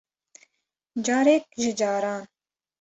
Carek ji caran